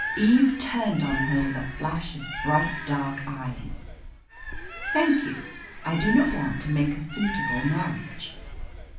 Eve turned on her with a flash of bright dark eyes. "Thank you; I do not want to make a suitable marriage."